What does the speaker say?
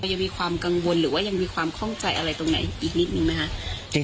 ยังมีความกังวลหรือว่ายังมีความคล่องใจอะไรตรงไหนอีกนิดนึงไหมคะ